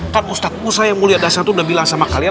kan ustadzku saya yang mulia dasar itu udah bilang sama kalian